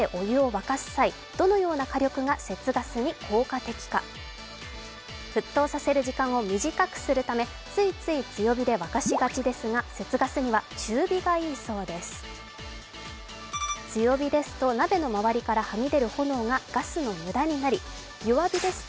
沸騰させる時間を短くするため、ついつい強火で沸かしがちですが、節ガスには中火がいいそうです。